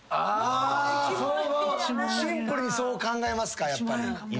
シンプルにそう考えますかやっぱり。